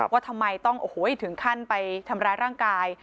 ว่าทำไมต้องโอ้โหถึงขั้นไปทำร้ายร่างกาย